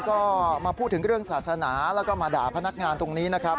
ก็มาพูดถึงเรื่องศาสนาแล้วก็มาด่าพนักงานตรงนี้นะครับ